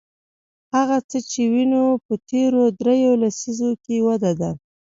هغه څه چې وینو په تېرو درې لسیزو کې وده ده.